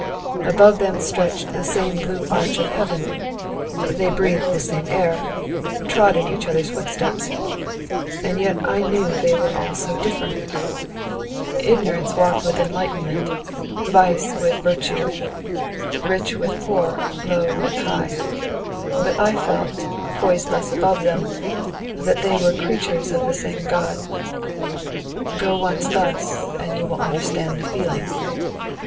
Above them stretched the same blue arch of heaven, they breathed the same air, trod in each other's footsteps; and yet I knew they were all so different, ignorance walked with enlightenment, vice with virtue, rich with poor, low with high, but I felt, poised thus above them, that they were creatures of the same God. Go once thus, and you will understand the feeling.